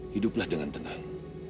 hiduplah dengan tenang